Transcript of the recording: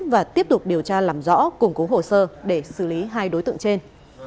và tiếp tục điều tra làm rõ củng cố hồ sơ để xử lý hai đối tượng trên